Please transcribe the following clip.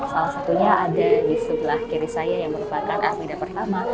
salah satunya ada di sebelah kiri saya yang merupakan armada pertama